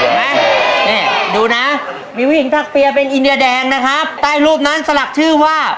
ไหมนี่ดูนะมีผู้หญิงทักเปียเป็นอินเดียแดงนะครับใต้รูปนั้นสลักชื่อว่า